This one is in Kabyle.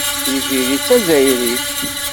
Tiziri d Tazzayrit.